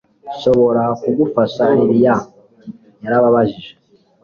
nshobora kugufasha? lilian yarabajije